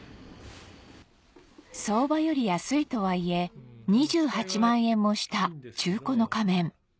相場より安いとはいえ２８万円もした中古の仮面